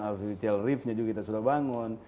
artificial reef nya juga kita sudah bangun